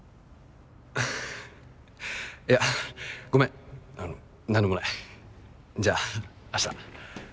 いやごめん何でもない。じゃあ明日。